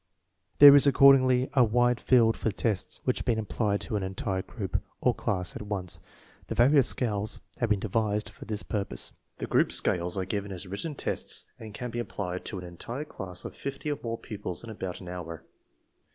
There is accordingly a wide field for tests which can be applied to an entire group, or class, at onoe. The various scales have been devised for this purpose. The group scales are given as written tests and can be applied to an entire class of fifty or more pupils in about an hour.